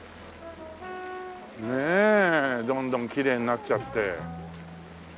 ねえどんどんきれいになっちゃって。